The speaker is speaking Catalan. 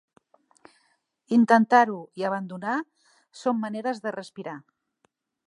Intentar-ho i abandonar són maneres de respirar.